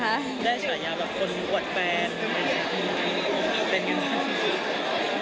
ไม่ได้ฉายาแบบคนอวดแปดเหมือนกัน